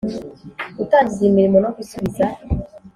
Gutangiza imirimo no gusubiza